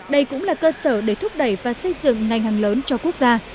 đây cũng là cơ sở để thúc đẩy và xây dựng ngành hàng lớn cho quốc gia